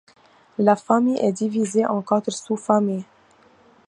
La Famille est divisée en quatre sous-familles.